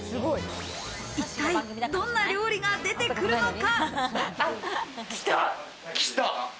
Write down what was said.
一体、どんな料理が出てくるのか？